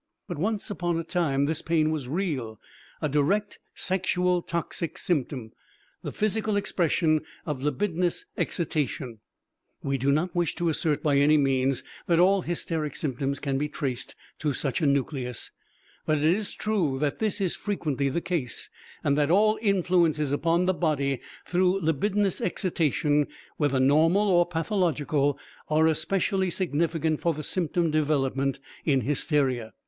But once upon a time this pain was real, a direct sexual toxic symptom, the physical expression of libidinous excitation. We do not wish to assert, by any means, that all hysteric symptoms can be traced to such a nucleus, but it is true that this is frequently the case, and that all influences upon the body through libidinous excitation, whether normal or pathological, are especially significant for the symptom development in hysteria.